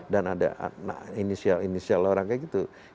dan ada inisial orang kayak gitu